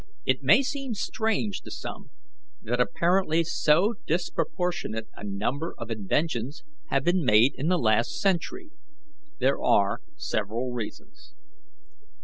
"It may seem strange to some that apparently so disproportionate a number of inventions have been made in the last century. There are several reasons.